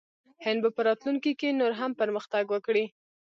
هند به په راتلونکي کې نور هم پرمختګ وکړي.